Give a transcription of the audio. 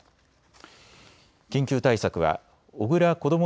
緊急対策は小倉こども